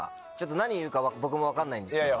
何言うか僕も分かんないんですけど。